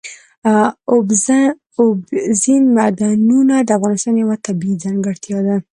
اوبزین معدنونه د افغانستان یوه طبیعي ځانګړتیا ده.